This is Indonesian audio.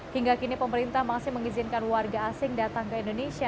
hingga kini pemerintah masih mengizinkan warga asing datang ke indonesia